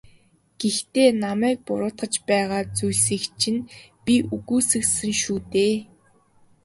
Гэхдээ намайг буруутгаж байгаа зүйлийг чинь би үгүйсгэсэн шүү дээ.